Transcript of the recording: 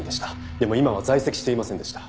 でも今は在籍していませんでした。